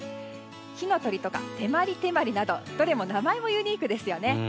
火の鳥とかてまりてまりなどどれも名前もユニークですよね。